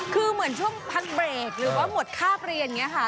คือเหมือนช่วงพักเบรกหรือว่าหมดคาบเรียนอย่างนี้ค่ะ